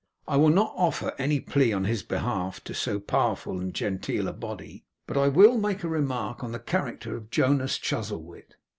I will not offer any plea on his behalf to so powerful and genteel a body, but will make a remark on the character of Jonas Chuzzlewit.